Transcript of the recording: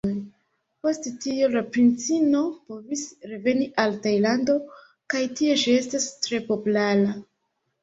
Post tio la princino povis reveni al Tajlando kaj tie ŝi estas tre populara.